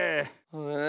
え。